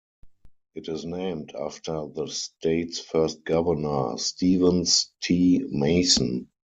It is named after the state's first governor, Stevens T. Mason.